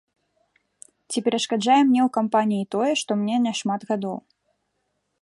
Ці перашкаджае мне ў кампаніі тое, што мне няшмат гадоў?